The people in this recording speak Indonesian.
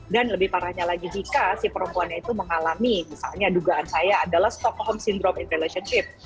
dan lebih parahnya lagi jika si perempuannya itu mengalami misalnya dugaan saya adalah stockholm syndrome in relationship